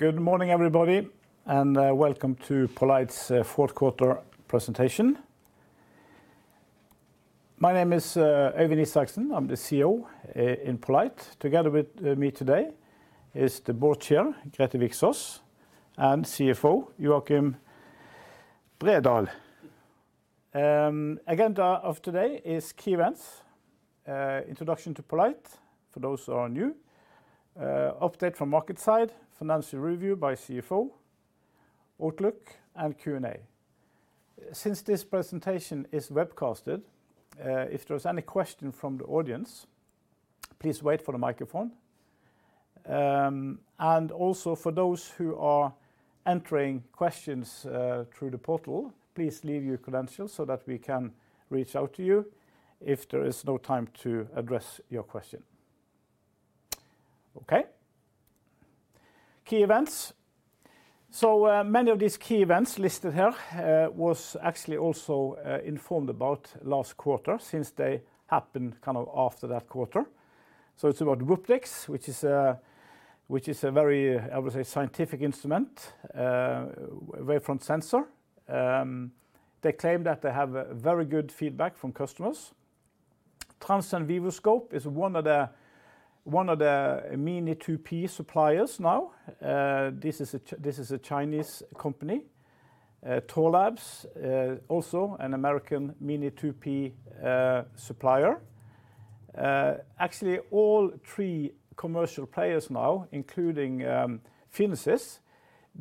Good morning, everybody, and welcome to poLight's fourth quarter presentation. My name is Øyvind Isaksen, I'm the CEO in poLight. Together with me today is the Board Chair, Grete Vik Soss, and CFO, Joakim Bredahl. The agenda of today is key events: introduction to poLight for those who are new, update from market side, financial review by CFO, outlook, and Q&A. Since this presentation is webcasted, if there's any question from the audience, please wait for the microphone. Also, for those who are entering questions through the portal, please leave your credentials so that we can reach out to you if there is no time to address your question. Key events. Many of these key events listed here were actually also informed about last quarter since they happened kind of after that quarter. It is about WUPDX, which is a very, I would say, scientific instrument, a wavefront sensor. They claim that they have very good feedback from customers. Transcend VivoScope is one of the Mini2P suppliers now. This is a Chinese company, Thorlabs, also an American Mini2P supplier. Actually, all three commercial players now, including Phinysis,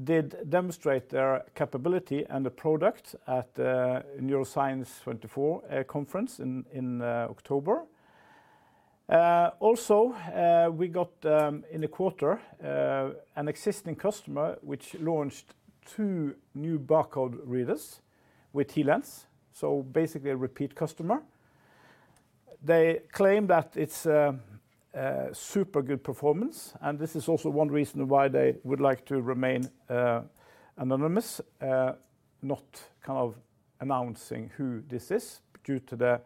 did demonstrate their capability and the product at Neuroscience 2024 conference in October. Also, we got in the quarter an existing customer which launched two new barcode readers with T-Lens, so basically a repeat customer. They claim that it is super good performance, and this is also one reason why they would like to remain anonymous, not kind of announcing who this is due to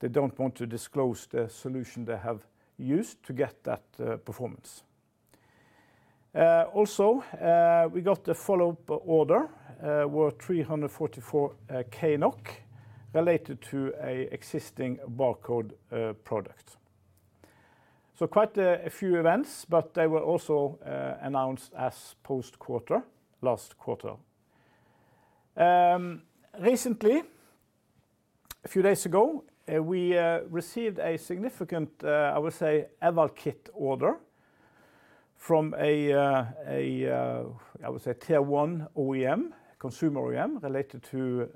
they do not want to disclose the solution they have used to get that performance. Also, we got the follow-up order worth 344,000 related to an existing barcode product. Quite a few events, but they were also announced as post-quarter, last quarter. Recently, a few days ago, we received a significant, I would say, eval kit order from a, I would say, tier one OEM, consumer OEM related to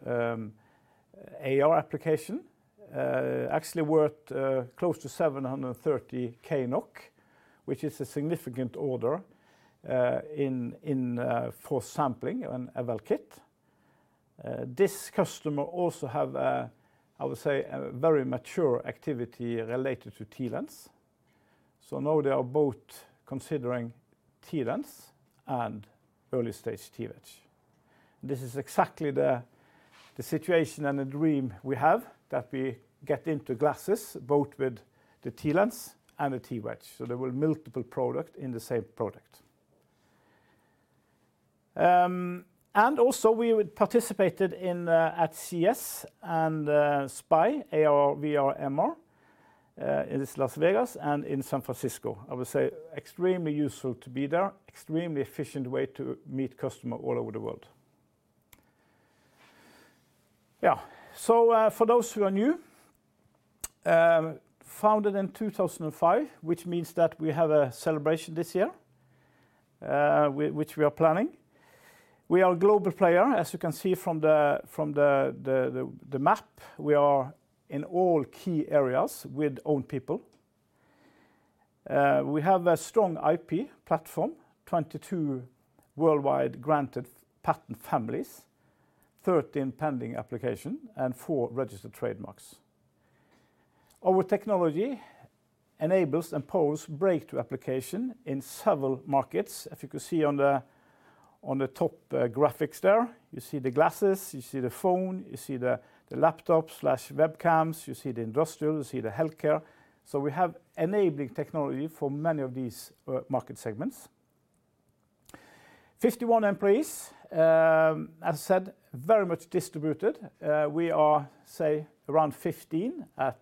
AR application, actually worth close to 730,000, which is a significant order for sampling and eval kit. This customer also has, I would say, a very mature activity related to T-Lens. Now they are both considering T-Lens and early stage T-Wedge. This is exactly the situation and the dream we have that we get into glasses both with the T-Lens and the T-Wedge, so there were multiple products in the same product. Also, we participated in at CES and SPIE, AR VR MR, in Las Vegas and in San Francisco. I would say extremely useful to be there, extremely efficient way to meet customers all over the world. Yeah, for those who are new, founded in 2005, which means that we have a celebration this year, which we are planning. We are a global player, as you can see from the map. We are in all key areas with our own people. We have a strong IP platform, 22 worldwide granted patent families, 13 pending applications, and four registered trademarks. Our technology enables and powers breakthrough applications in several markets. If you can see on the top graphics there, you see the glasses, you see the phone, you see the laptops/webcams, you see the industrial, you see the healthcare. We have enabling technology for many of these market segments. 51 employees, as I said, very much distributed. We are, say, around 15 at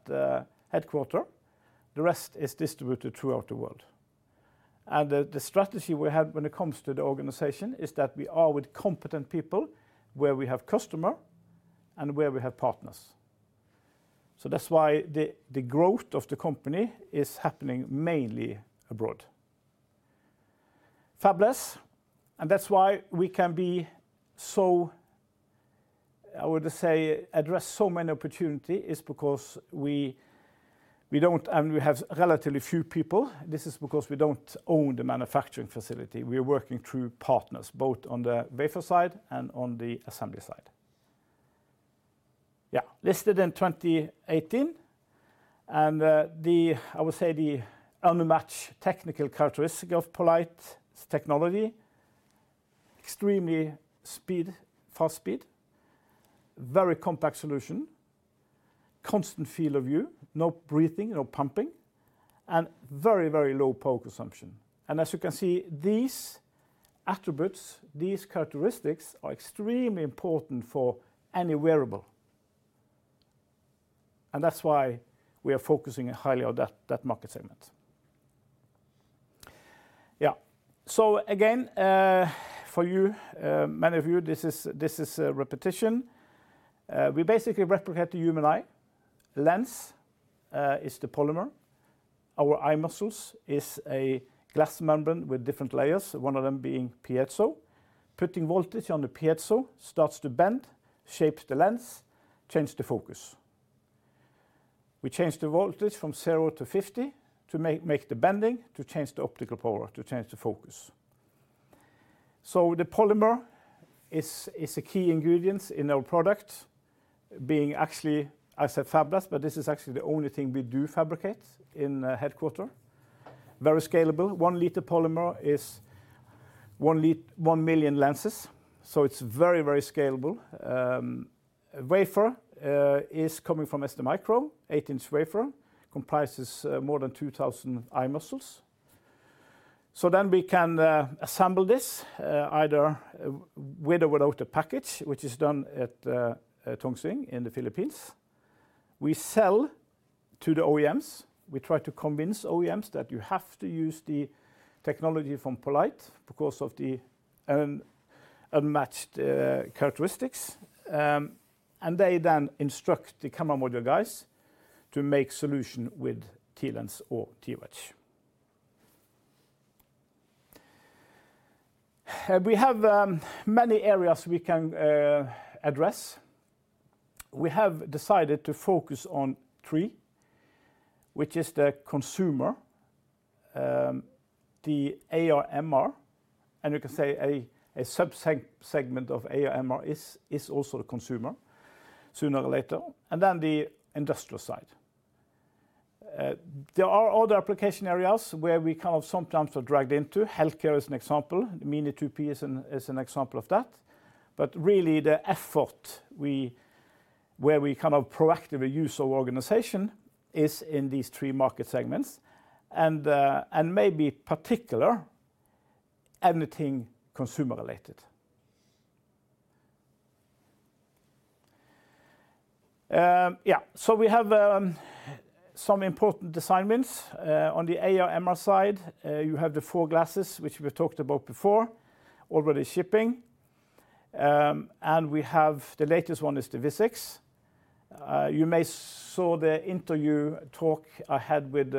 headquarters. The rest is distributed throughout the world. The strategy we have when it comes to the organization is that we are with competent people where we have customers and where we have partners. That is why the growth of the company is happening mainly abroad. Fabless, and that is why we can be so, I would say, address so many opportunities is because we do not, and we have relatively few people. This is because we do not own the manufacturing facility. We are working through partners both on the wafer side and on the assembly side. Listed in 2018, and I would say the unmatched technical characteristics of poLight technology: extremely fast speed, very compact solution, constant field of view, no breathing, no pumping, and very, very low power consumption. As you can see, these attributes, these characteristics are extremely important for any wearable. That is why we are focusing highly on that market segment. Yeah, so again, for you, many of you, this is a repetition. We basically replicate the human eye. Lens is the polymer. Our eye muscles is a glass membrane with different layers, one of them being piezo. Putting voltage on the piezo starts to bend, shapes the lens, changes the focus. We change the voltage from 0 to 50 to make the bending, to change the optical power, to change the focus. So the polymer is a key ingredient in our product, being actually, I said fabless, but this is actually the only thing we do fabricate in headquarters. Very scalable. One liter polymer is one million lenses, so it is very, very scalable. Wafer is coming from SD Micro, 18 in wafer, comprises more than 2,000 eye muscles. We can assemble this either with or without a package, which is done at Tongsin in the Philippines. We sell to the OEMs. We try to convince OEMs that you have to use the technology from poLight because of the unmatched characteristics. They then instruct the camera module guys to make a solution with T-Lens or T-Wedge. We have many areas we can address. We have decided to focus on three, which is the consumer, the AR MR, and you can say a subsegment of AR MR is also the consumer sooner or later, and then the industrial side. There are other application areas where we kind of sometimes are dragged into. Healthcare is an example. Mini2P is an example of that. Really, the effort where we kind of proactively use our organization is in these three market segments and maybe particular anything consumer-related. Yeah, we have some important assignments. On the AR MR side, you have the four glasses, which we've talked about before, already shipping. We have the latest one, which is the Vuzix. You may have seen the interview talk I had with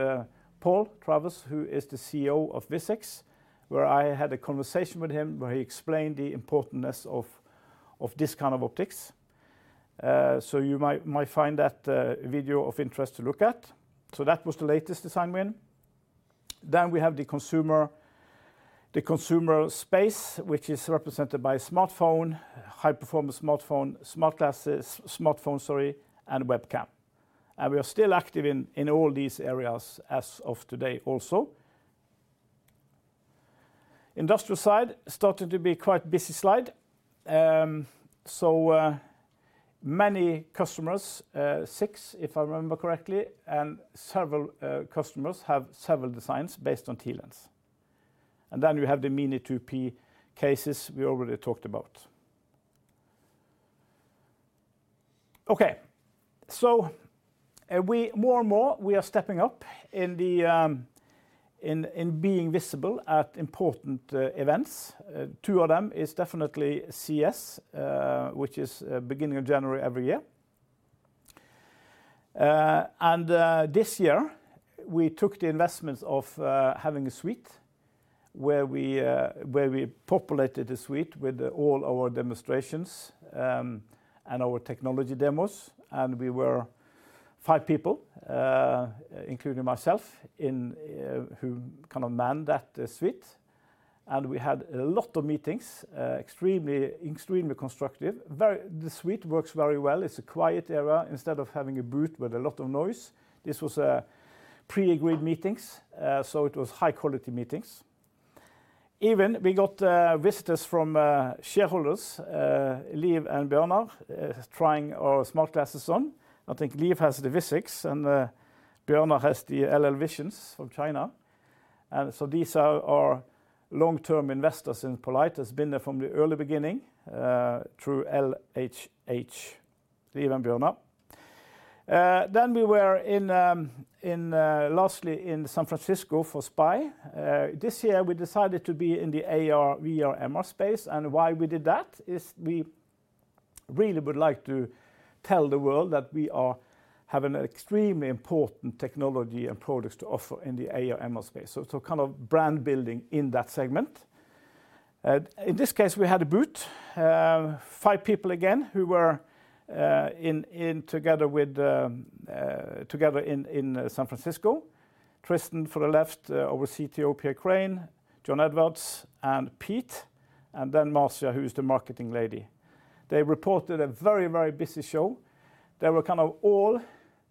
Paul Travers, who is the CEO of Vuzix, where I had a conversation with him where he explained the importance of this kind of optics. You might find that video of interest to look at. That was the latest assignment. We have the consumer space, which is represented by a smartphone, high-performance smartphone, smart glasses, smartphone, sorry, and webcam. We are still active in all these areas as of today also. The industrial side started to be quite a busy slide. So many customers, six, if I remember correctly, and several customers have several designs based on T-Lens. Then you have the Mini2P cases we already talked about. Okay, more and more we are stepping up in being visible at important events. Two of them is definitely CES, which is beginning of January every year. This year, we took the investment of having a suite where we populated the suite with all our demonstrations and our technology demos. We were five people, including myself, who kind of manned that suite. We had a lot of meetings, extremely constructive. The suite works very well. It's a quiet area instead of having a booth with a lot of noise. This was pre-agreed meetings, so it was high-quality meetings. Even we got visitors from shareholders, Liv and Bjornar, trying our smart glasses on. I think Liv has the Vuzix and Bjornar has the LLVision from China. These are long-term investors in poLight. It's been there from the early beginning through LHH, Liv and Bjornar. We were lastly in San Francisco for SPIE. This year, we decided to be in the AR VR MR space. Why we did that is we really would like to tell the world that we have an extremely important technology and products to offer in the AR MR space. It is kind of brand building in that segment. In this case, we had a booth, five people again who were together in San Francisco, Tristan for the left, our CTO Pierre Craen, John Edwards, and Pete, and then Marcia, who is the marketing lady. They reported a very, very busy show. They were kind of all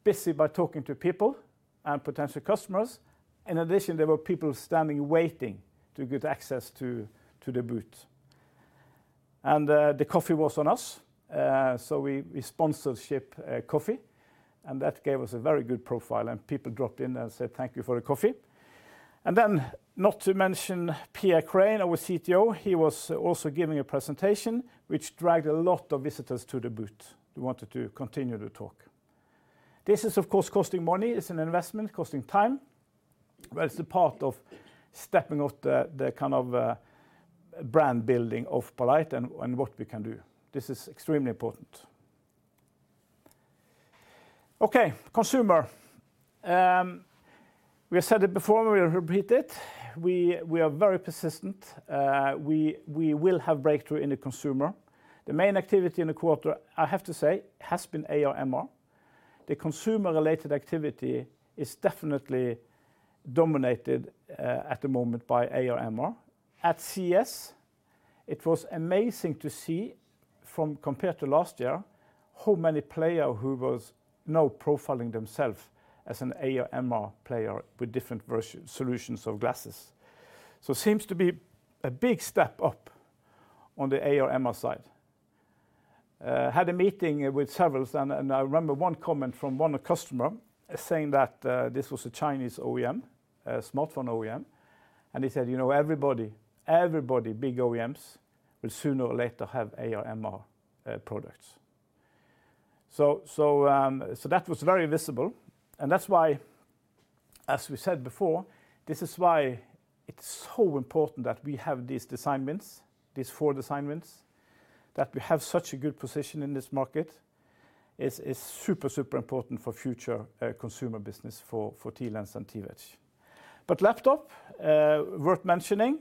busy by talking to people and potential customers. In addition, there were people standing waiting to get access to the booth. The coffee was on us. We sponsorship coffee, and that gave us a very good profile. People dropped in and said, "Thank you for the coffee." Not to mention Pierre Craen, our CTO. He was also giving a presentation, which dragged a lot of visitors to the booth. They wanted to continue the talk. This is, of course, costing money. It is an investment costing time, but it is a part of stepping off the kind of brand building of poLight and what we can do. This is extremely important. Okay, consumer. We have said it before, we will repeat it. We are very persistent. We will have breakthrough in the consumer. The main activity in the quarter, I have to say, has been AR MR. The consumer-related activity is definitely dominated at the moment by AR MR. At CES, it was amazing to see from compared to last year how many players who were now profiling themselves as an AR MR player with different solutions of glasses. It seems to be a big step up on the AR MR side. I had a meeting with several, and I remember one comment from one customer saying that this was a Chinese OEM, a smartphone OEM. He said, "You know, everybody, everybody big OEMs will sooner or later have AR MR products." That was very visible. That is why, as we said before, this is why it is so important that we have these assignments, these four assignments, that we have such a good position in this market is super, super important for future consumer business for T-Lens and T-Wedge. Laptop, worth mentioning,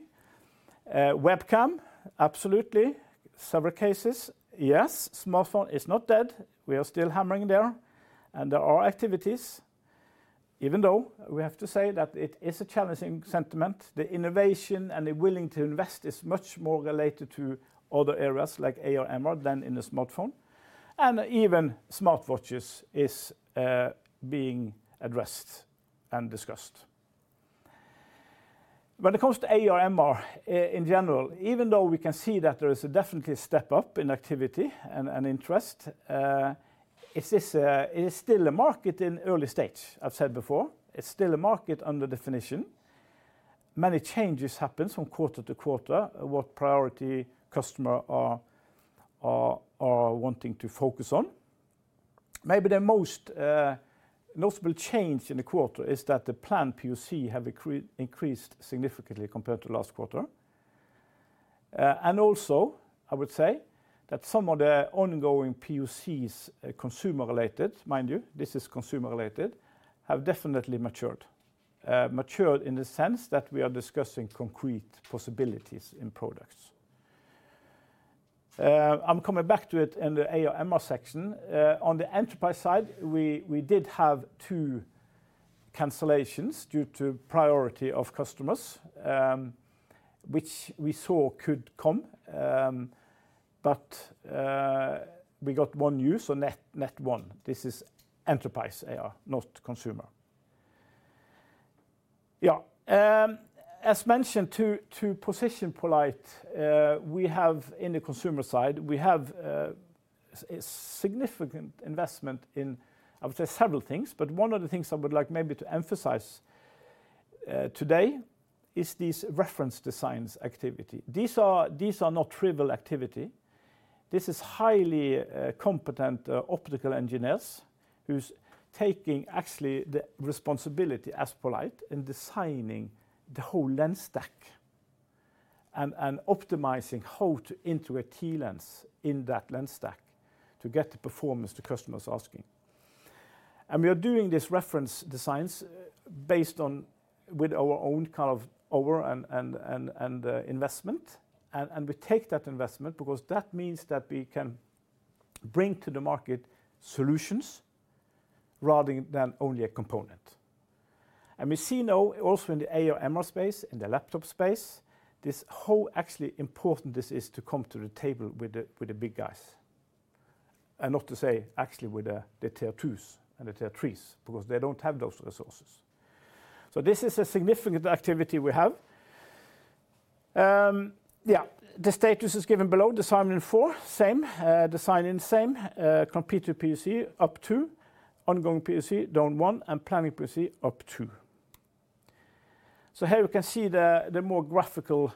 webcam, absolutely, several cases, yes, smartphone is not dead. We are still hammering there. There are activities, even though we have to say that it is a challenging sentiment. The innovation and the willingness to invest is much more related to other areas like AR MR than in the smartphone. Even smartwatches are being addressed and discussed. When it comes to AR MR in general, even though we can see that there is definitely a step up in activity and interest, it is still a market in early stage. I've said before, it's still a market under definition. Many changes happen from quarter to quarter what priority customers are wanting to focus on. Maybe the most notable change in the quarter is that the planned POC have increased significantly compared to last quarter. Also, I would say that some of the ongoing POCs, consumer-related, mind you, this is consumer-related, have definitely matured. Matured in the sense that we are discussing concrete possibilities in products. I'm coming back to it in the AR MR section. On the enterprise side, we did have two cancellations due to priority of customers, which we saw could come. We got one new, so net one. This is enterprise AR, not consumer. Yeah, as mentioned, to position poLight, we have in the consumer side, we have a significant investment in, I would say, several things. One of the things I would like maybe to emphasize today is these reference designs activity. These are not trivial activity. This is highly competent optical engineers who are taking actually the responsibility as poLight in designing the whole lens stack and optimizing how to integrate T-Lens in that lens stack to get the performance the customer is asking. We are doing these reference designs based on our own kind of over and investment. We take that investment because that means that we can bring to the market solutions rather than only a component. We see now also in the AR MR space, in the laptop space, how actually important this is to come to the table with the big guys. Not to say actually with the tier twos and the tier threes because they do not have those resources. This is a significant activity we have. Yeah, the status is given below. Design in four, same. Design in same, compete with POC up two, ongoing POC down one, and planning POC up two. Here you can see the more graphical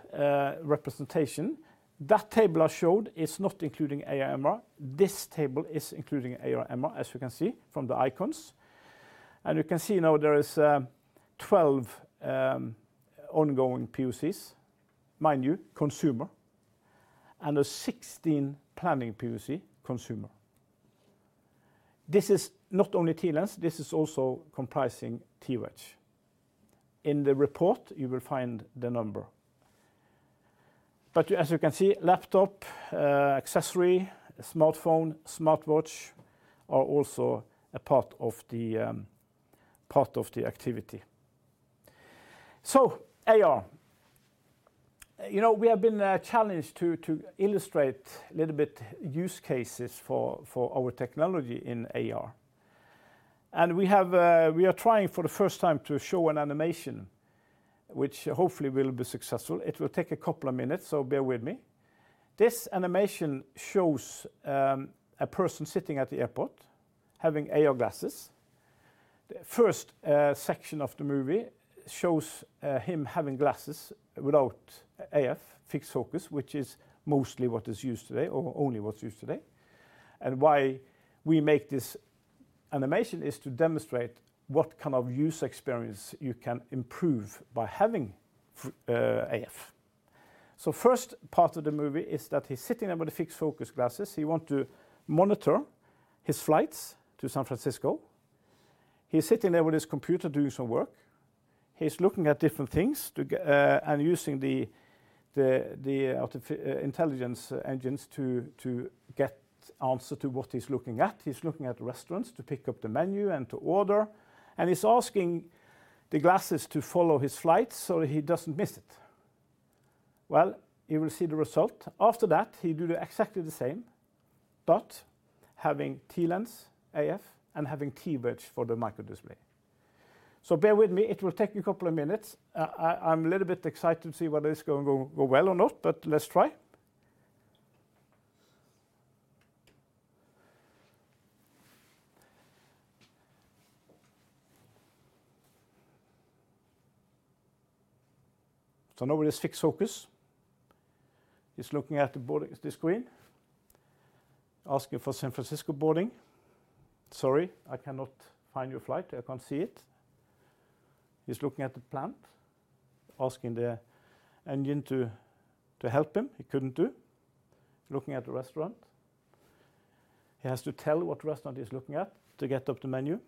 representation. That table I showed is not including AR MR. This table is including AR MR, as you can see from the icons. You can see now there are 12 ongoing POCs, mind you, consumer, and there are 16 planning POC, consumer. This is not only T-Lens. This is also comprising T-Wedge. In the report, you will find the number. As you can see, laptop, accessory, smartphone, smartwatch are also a part of the activity. AR, we have been challenged to illustrate a little bit use cases for our technology in AR. We are trying for the first time to show an animation, which hopefully will be successful. It will take a couple of minutes, so bear with me. This animation shows a person sitting at the airport having AR glasses. The first section of the movie shows him having glasses without AF, fixed focus, which is mostly what is used today or only what's used today. Why we make this animation is to demonstrate what kind of user experience you can improve by having AF. The first part of the movie is that he's sitting there with the fixed focus glasses. He wants to monitor his flights to San Francisco. He's sitting there with his computer doing some work. He's looking at different things and using the intelligence engines to get answers to what he's looking at. He's looking at restaurants to pick up the menu and to order. He's asking the glasses to follow his flight so he doesn't miss it. You will see the result. After that, he did exactly the same, but having T-Lens AF and having T-Wedge for the micro display. Bear with me. It will take a couple of minutes. I'm a little bit excited to see whether this is going to go well or not, but let's try. Nobody's fixed focus. He's looking at the boarding screen, asking for San Francisco boarding. Sorry, I cannot find your flight. I can't see it. He's looking at the plant, asking the engine to help him. He couldn't do. Looking at the restaurant. He has to tell what restaurant he's looking at to get up the menu.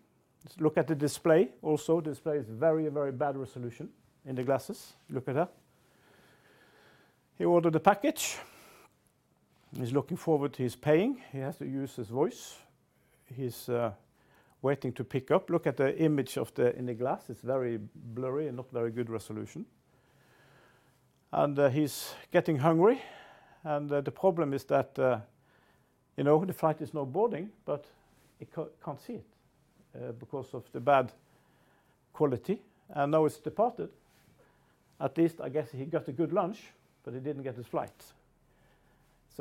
Look at the display. Also, the display is very, very bad resolution in the glasses. Look at that. He ordered the package. He's looking forward to his paying. He has to use his voice. He's waiting to pick up. Look at the image in the glass. It's very blurry and not very good resolution. He's getting hungry. The problem is that the flight is now boarding, but he can't see it because of the bad quality. Now it's departed. At least, I guess he got a good lunch, but he didn't get his flight.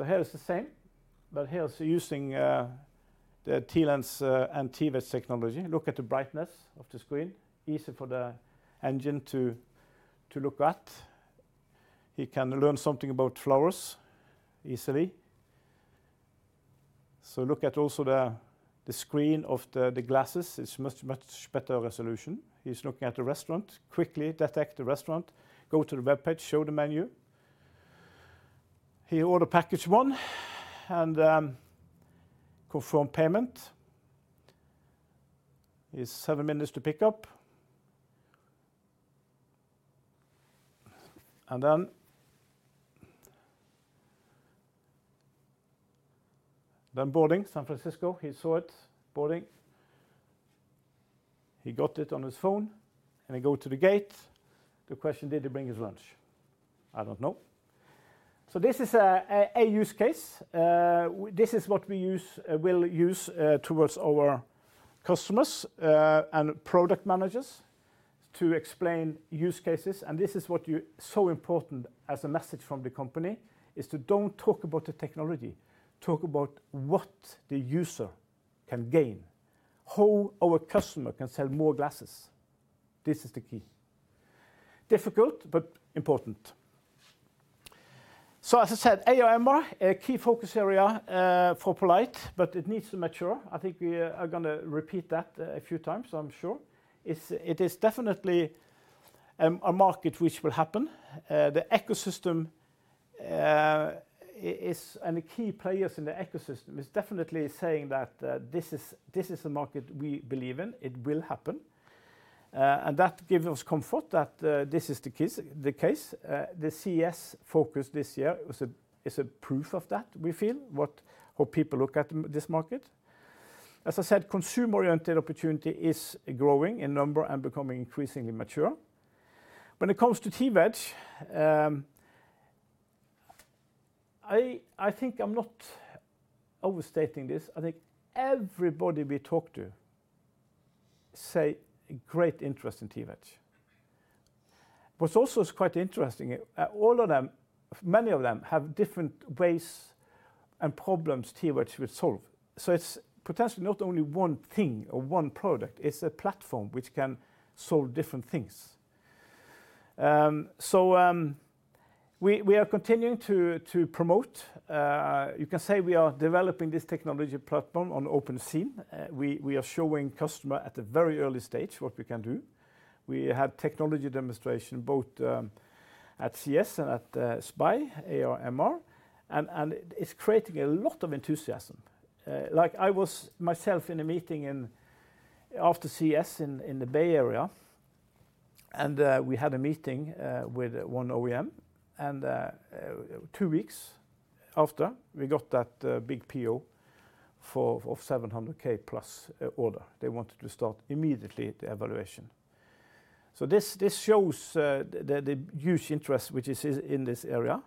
Here is the same, but here is using the T-Lens and T-Wedge technology. Look at the brightness of the screen. Easy for the engine to look at. He can learn something about flowers easily. Look at also the screen of the glasses. It's much better resolution. He's looking at the restaurant. Quickly detect the restaurant. Go to the web page. Show the menu. He ordered package one and confirmed payment. He has seven minutes to pick up. Boarding, San Francisco. He saw it, boarding. He got it on his phone, and he goes to the gate. The question, did he bring his lunch? I don't know. This is a use case. This is what we will use towards our customers and product managers to explain use cases. This is what is so important as a message from the company: do not talk about the technology. Talk about what the user can gain, how our customer can sell more glasses. This is the key. Difficult, but important. As I said, AR MR, a key focus area for poLight, but it needs to mature. I think we are going to repeat that a few times, I am sure. It is definitely a market which will happen. The ecosystem and the key players in the ecosystem are definitely saying that this is a market we believe in. It will happen. That gives us comfort that this is the case. The CES focus this year is a proof of that, we feel, how people look at this market. As I said, consumer-oriented opportunity is growing in number and becoming increasingly mature. When it comes to T-Wedge, I think I'm not overstating this. I think everybody we talk to has great interest in T-Wedge. What's also quite interesting, many of them have different ways and problems T-Wedge will solve. It is potentially not only one thing or one product. It is a platform which can solve different things. We are continuing to promote. You can say we are developing this technology platform on open scene. We are showing customers at a very early stage what we can do. We have technology demonstration both at CES and at SPIE AR MR. It is creating a lot of enthusiasm. I was myself in a meeting after CES in the Bay Area, and we had a meeting with one OEM. Two weeks after, we got that big PO of 700,000 plus order. They wanted to start immediately the evaluation. This shows the huge interest which is in this area.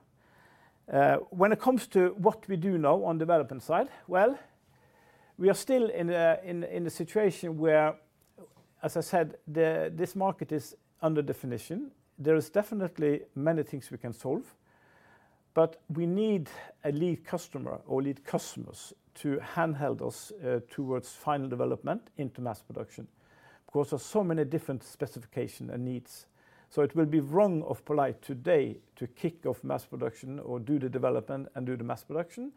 When it comes to what we do now on development side, we are still in a situation where, as I said, this market is under definition. There are definitely many things we can solve. We need a lead customer or lead customers to handheld us towards final development into mass production because of so many different specifications and needs. It would be wrong of poLight today to kick off mass production or do the development and do the mass production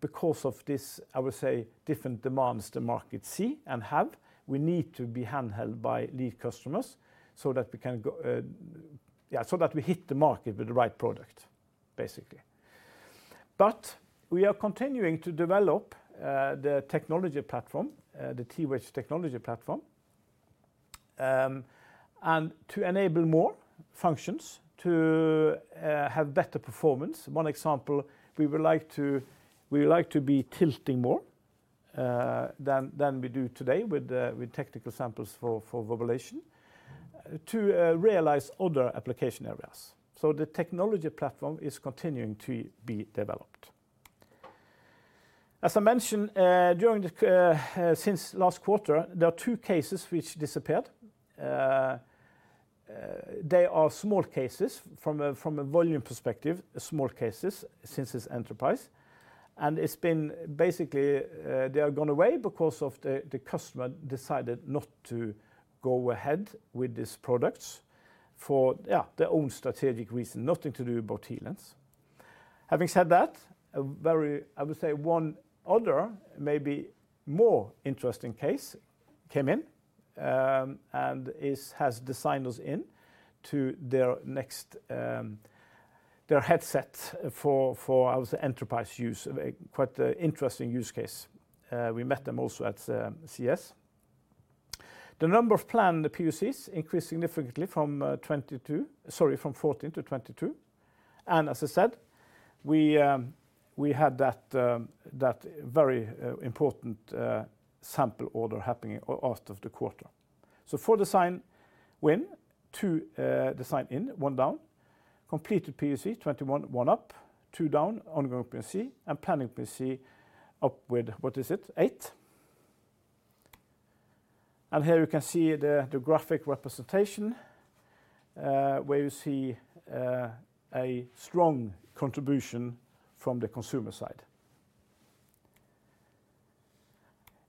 because of this, I would say, different demands the market see and have. We need to be handheld by lead customers so that we can hit the market with the right product, basically. We are continuing to develop the technology platform, the T-Wedge technology platform, and to enable more functions to have better performance. One example, we would like to be tilting more than we do today with technical samples for validation to realize other application areas. The technology platform is continuing to be developed. As I mentioned, since last quarter, there are two cases which disappeared. They are small cases from a volume perspective, small cases since it's enterprise. They have gone away because the customer decided not to go ahead with these products for their own strategic reason, nothing to do about T-Lens. Having said that, I would say one other, maybe more interesting case came in and has design ins into their headset for enterprise use, quite an interesting use case. We met them also at CES. The number of planned POCs increased significantly from 14 to 22. As I said, we had that very important sample order happening after the quarter. Four design win, two design in, one down. Completed POC, 21, one up, two down, ongoing POC, and planning POC up with, what is it, eight. Here you can see the graphic representation where you see a strong contribution from the consumer side.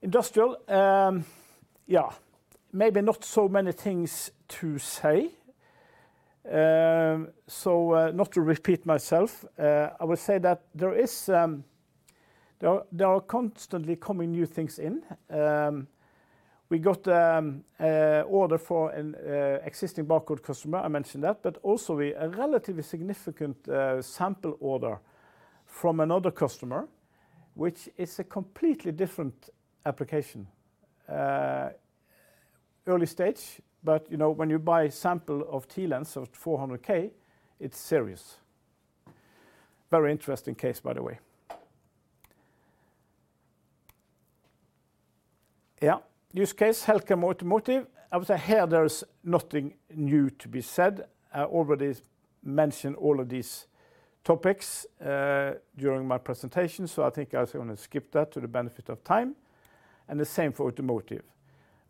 Industrial, yeah, maybe not so many things to say. Not to repeat myself, I would say that there are constantly coming new things in. We got an order for an existing barcode customer. I mentioned that. But also a relatively significant sample order from another customer, which is a completely different application, early stage. When you buy a sample of T-Lens of 400K, it's serious. Very interesting case, by the way. Yeah, use case, healthcare automotive. I would say here there is nothing new to be said. I already mentioned all of these topics during my presentation, so I think I'm going to skip that to the benefit of time. The same for automotive.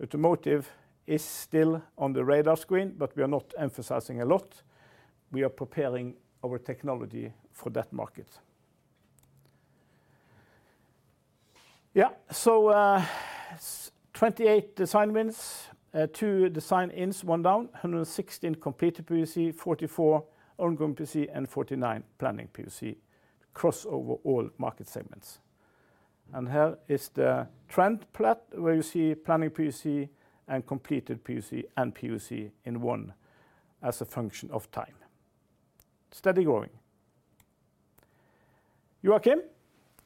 Automotive is still on the radar screen, but we are not emphasizing a lot. We are preparing our technology for that market. Yeah, 28 design wins, two design ins, one down, 116 completed POC, 44 ongoing POC, and 49 planning POC crossover all market segments. Here is the trend plot where you see planning POC and completed POC and POC in one as a function of time. Steady growing. Joakim,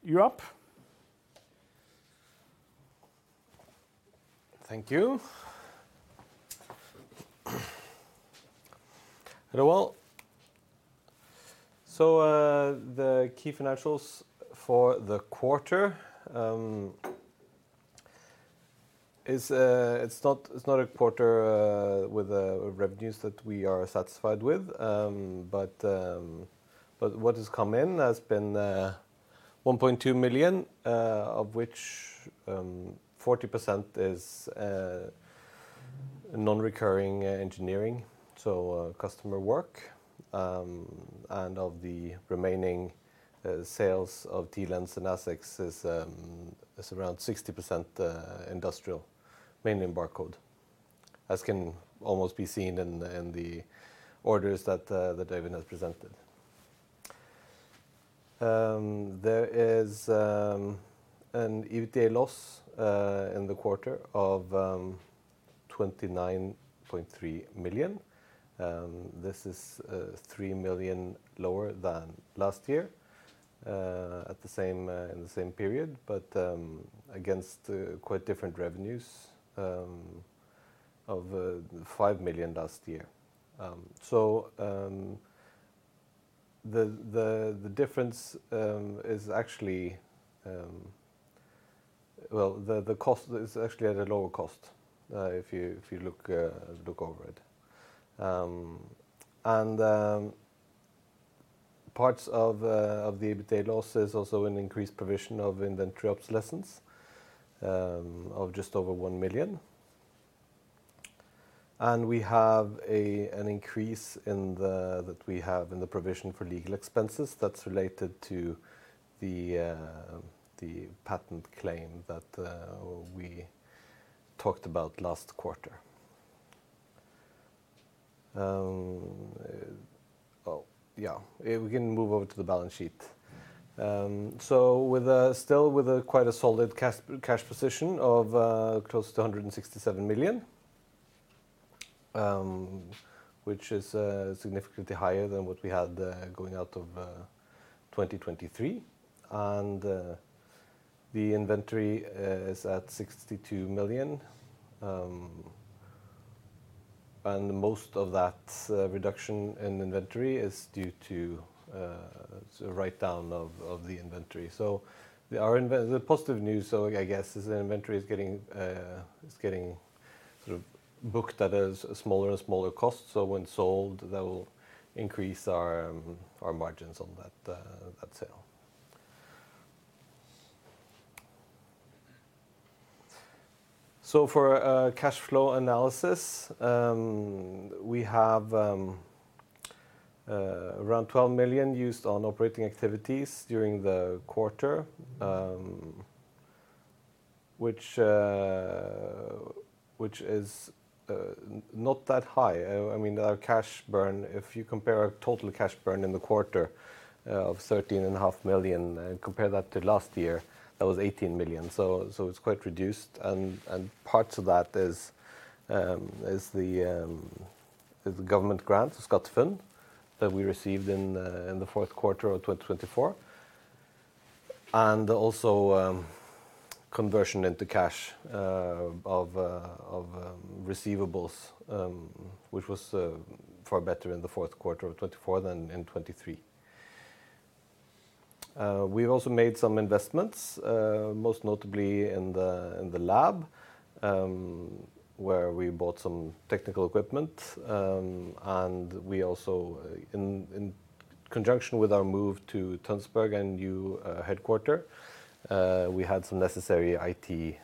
you're up. Thank you. Hello. The key financials for the quarter, it's not a quarter with revenues that we are satisfied with. What has come in has been 1.2 million, of which 40% is non-recurring engineering, so customer work. Of the remaining sales of T-Lens and ASICs, around 60% is industrial, mainly in barcode, as can almost be seen in the orders that David has presented. There is an EBITDA loss in the quarter of 29.3 million. This is 3 million lower than last year in the same period, but against quite different revenues of NOK 5 million last year. The difference is actually, the cost is actually at a lower cost if you look over it. Parts of the EBITDA loss is also an increased provision of indenture obsolescence of just over 1 million. We have an increase that we have in the provision for legal expenses that's related to the patent claim that we talked about last quarter. Yeah, we can move over to the balance sheet. Still with quite a solid cash position of close to 167 million, which is significantly higher than what we had going out of 2023. The inventory is at 62 million. Most of that reduction in inventory is due to a write-down of the inventory. The positive news, I guess, is the inventory is getting sort of booked at a smaller and smaller cost. When sold, that will increase our margins on that sale. For cash flow analysis, we have around 12 million used on operating activities during the quarter, which is not that high. I mean, our cash burn, if you compare our total cash burn in the quarter of 13.5 million and compare that to last year, that was 18 million. It is quite reduced. Parts of that is the government grant, the Skattefond, that we received in the fourth quarter of 2024. Also, conversion into cash of receivables, which was far better in the fourth quarter of 2024 than in 2023. We have also made some investments, most notably in the lab, where we bought some technical equipment. In conjunction with our move to Tønsberg and new headquarter, we had some necessary IT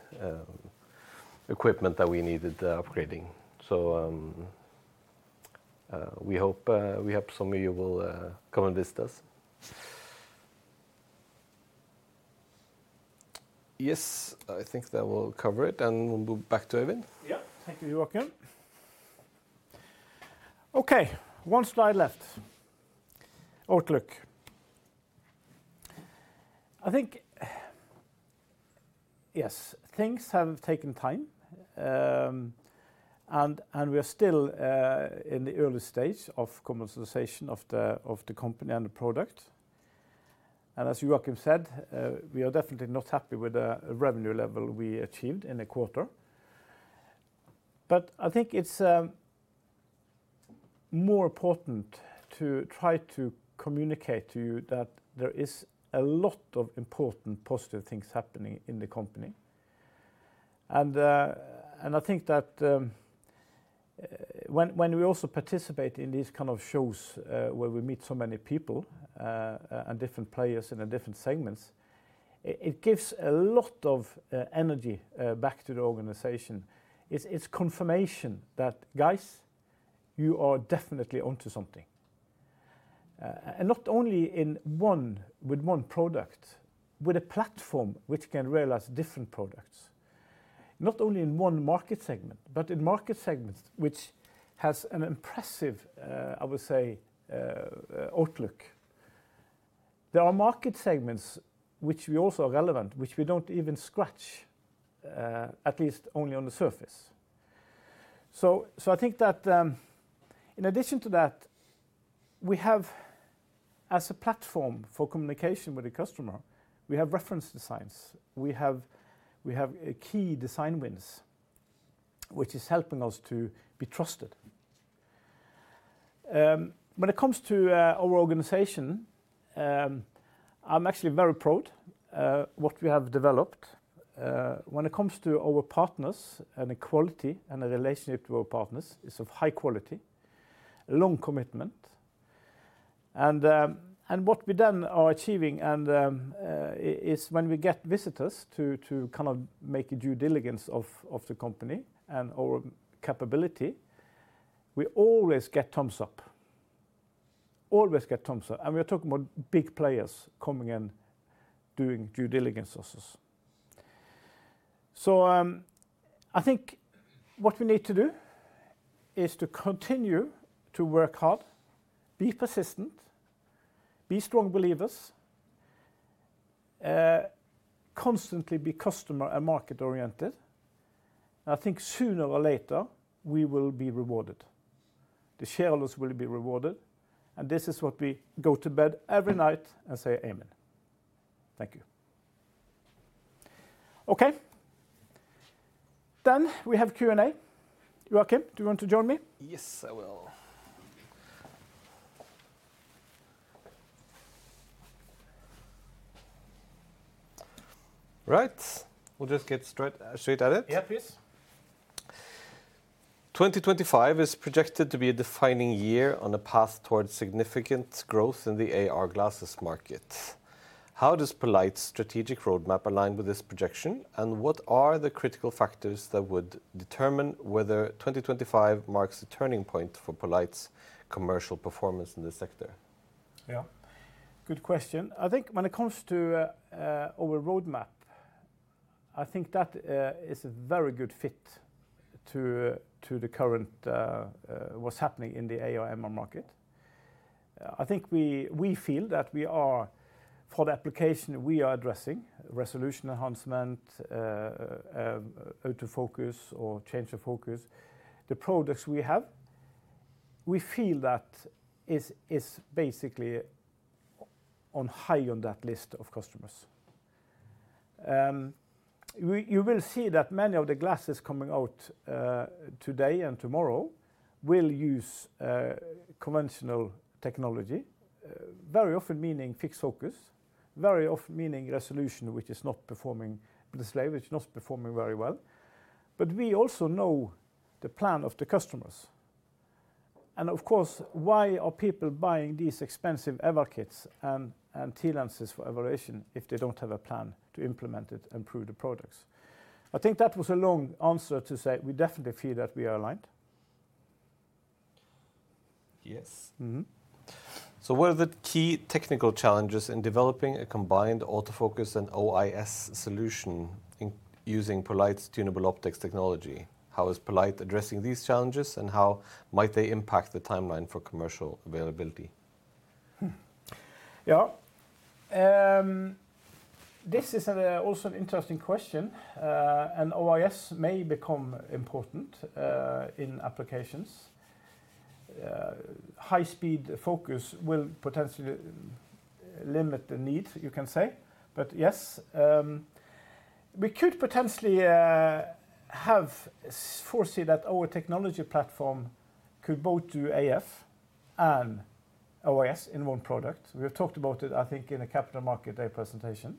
equipment that we needed upgrading. We hope some of you will come and visit us. Yes, I think that will cover it. We will move back to Øyvind. Thank you, Joakim. Okay, one slide left. Outlook. I think, yes, things have taken time. We are still in the early stage of commercialization of the company and the product. As Joakim said, we are definitely not happy with the revenue level we achieved in the quarter. I think it's more important to try to communicate to you that there is a lot of important positive things happening in the company. I think that when we also participate in these kind of shows where we meet so many people and different players in different segments, it gives a lot of energy back to the organization. It's confirmation that, guys, you are definitely onto something. Not only with one product, with a platform which can realize different products. Not only in one market segment, but in market segments which has an impressive, I would say, outlook. There are market segments which we also are relevant, which we do not even scratch, at least only on the surface. I think that in addition to that, we have, as a platform for communication with the customer, we have reference designs. We have key design wins, which is helping us to be trusted. When it comes to our organization, I am actually very proud of what we have developed. When it comes to our partners and the quality and the relationship to our partners, it is of high quality, long commitment. What we then are achieving is when we get visitors to kind of make a due diligence of the company and our capability, we always get thumbs up. Always get thumbs up. We are talking about big players coming in, doing due diligence with us. I think what we need to do is to continue to work hard, be persistent, be strong believers, constantly be customer and market oriented. I think sooner or later, we will be rewarded. The shareholders will be rewarded. This is what we go to bed every night and say, "Amen." Thank you. Okay. We have Q&A. Joakim, do you want to join me? Yes, I will. Right. We'll just get straight at it. Yeah, please. 2025 is projected to be a defining year on a path towards significant growth in the AR glasses market. How does poLight's strategic roadmap align with this projection? What are the critical factors that would determine whether 2025 marks a turning point for poLight's commercial performance in the sector? Yeah. Good question. I think when it comes to our roadmap, I think that is a very good fit to the current what's happening in the AR/MR market. I think we feel that for the application we are addressing, resolution enhancement, autofocus, or change of focus, the products we have, we feel that is basically high on that list of customers. You will see that many of the glasses coming out today and tomorrow will use conventional technology, very often meaning fixed focus, very often meaning resolution, which is not performing this way, which is not performing very well. We also know the plan of the customers. Of course, why are people buying these expensive Eval Kits and T-Lenses for evaluation if they do not have a plan to implement it and improve the products? I think that was a long answer to say we definitely feel that we are aligned. Yes. What are the key technical challenges in developing a combined autofocus and OIS solution using poLight's tunable optics technology? How is poLight addressing these challenges, and how might they impact the timeline for commercial availability? Yeah. This is also an interesting question. OIS may become important in applications. High-speed focus will potentially limit the need, you can say. Yes, we could potentially foresee that our technology platform could both do AF and OIS in one product. We have talked about it, I think, in the capital market day presentation.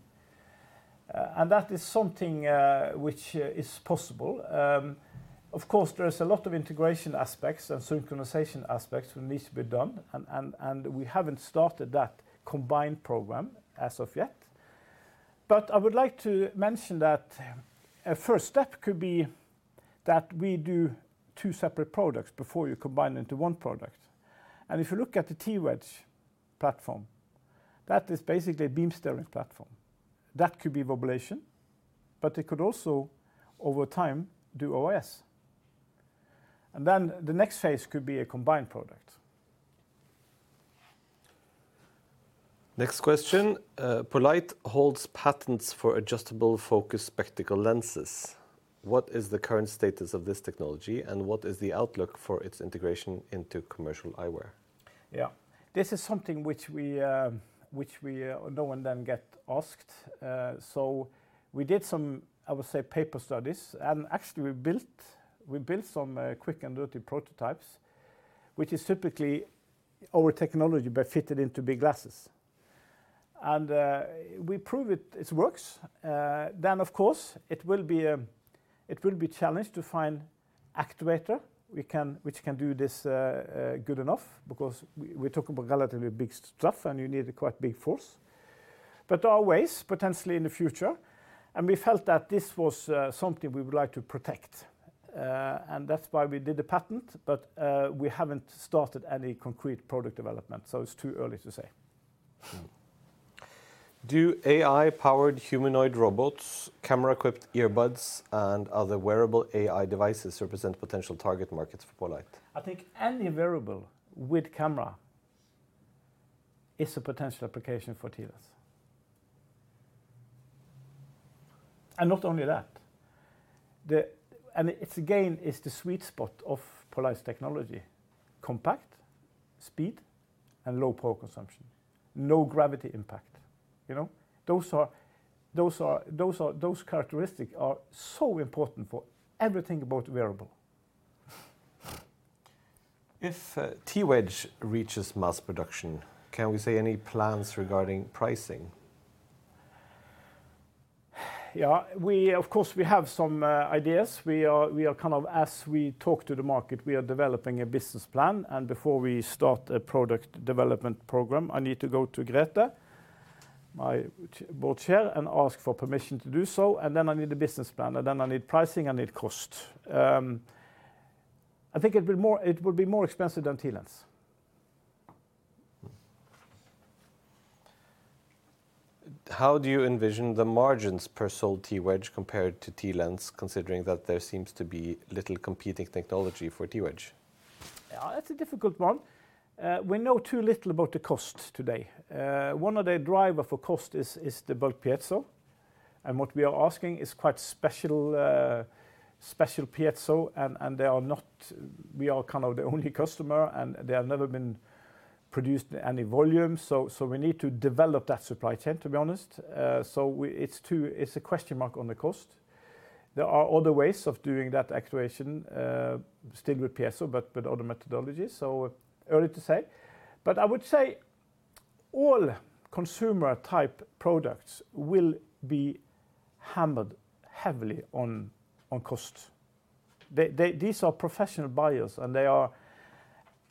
That is something which is possible. Of course, there is a lot of integration aspects and synchronization aspects that need to be done. We have not started that combined program as of yet. I would like to mention that a first step could be that we do two separate products before you combine into one product. If you look at the T-Wedge platform, that is basically a beam steering platform. That could be vibration, but it could also, over time, do OIS. The next phase could be a combined product. Next question. poLight holds patents for adjustable focus spectacle lenses. What is the current status of this technology, and what is the outlook for its integration into commercial eyewear? Yeah. This is something which we now and then get asked. We did some, I would say, paper studies. Actually, we built some quick and dirty prototypes, which is typically our technology but fitted into big glasses. We prove it works. Of course, it will be a challenge to find an actuator which can do this good enough because we're talking about relatively big stuff, and you need a quite big force. There are ways potentially in the future. We felt that this was something we would like to protect. That is why we did the patent. We have not started any concrete product development. It is too early to say. Do AI-powered humanoid robots, camera-equipped earbuds, and other wearable AI devices represent potential target markets for poLight? I think any wearable with camera is a potential application for T-Lens. Not only that. It is the sweet spot of poLight's technology: compact, speed, and low power consumption. No gravity impact. Those characteristics are so important for everything about wearable. If T-Wedge reaches mass production, can we say any plans regarding pricing? Yes. Of course, we have some ideas. As we talk to the market, we are developing a business plan. Before we start a product development program, I need to go to Grete, my board chair, and ask for permission to do so. I need a business plan. I need pricing. I need cost. I think it will be more expensive than T-Lens. How do you envision the margins per sold T-Wedge compared to T-Lens, considering that there seems to be little competing technology for T-Wedge? Yeah, that's a difficult one. We know too little about the cost today. One of the drivers for cost is the bulk piezo. What we are asking is quite special piezo. We are kind of the only customer, and they have never been produced in any volume. We need to develop that supply chain, to be honest. It is a question mark on the cost. There are other ways of doing that actuation, still with piezo, but other methodologies. Too early to say. I would say all consumer-type products will be hammered heavily on cost. These are professional buyers.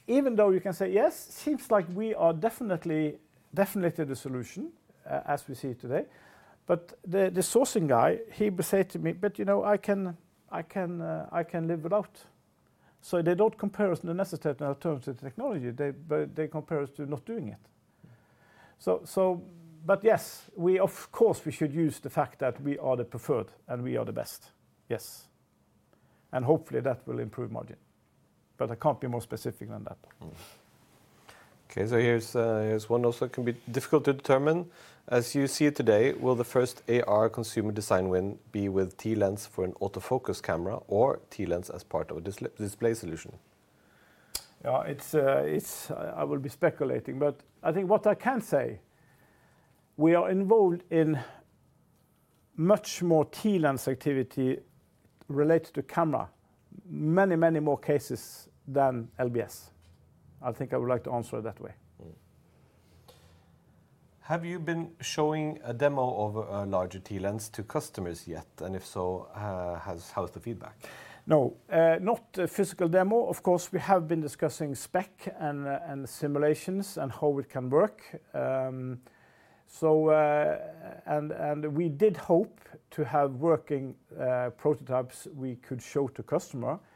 Even though you can say, "Yes, it seems like we are definitely the solution," as we see it today, the sourcing guy, he would say to me, "But I can live without." They do not compare us to necessary alternative technology. They compare us to not doing it. Yes, of course, we should use the fact that we are the preferred and we are the best. Yes. Hopefully, that will improve margin. I cannot be more specific than that. Here is one also that can be difficult to determine. As you see it today, will the first AR consumer design win be with T-Lens for an autofocus camera or T-Lens as part of a display solution? I will be speculating. But I think what I can say, we are involved in much more T-Lens activity related to camera, many, many more cases than LBS. I think I would like to answer it that way. Have you been showing a demo of a larger T-Lens to customers yet? And if so, how's the feedback? No. Not a physical demo. Of course, we have been discussing spec and simulations and how it can work. We did hope to have working prototypes we could show to customers. We